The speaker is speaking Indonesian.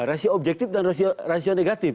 rasio objektif dan rasio negatif